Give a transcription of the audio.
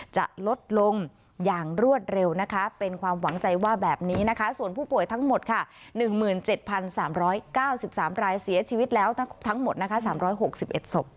จะลดลงอย่างรวดเร็วนะคะเป็นความหวังใจว่าแบบนี้นะคะส่วนผู้ป่วยทั้งหมดค่ะ๑๗๓๙๓รายเสียชีวิตแล้วทั้งหมดนะคะ๓๖๑ศพ